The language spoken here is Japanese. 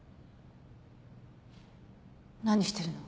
何してるの？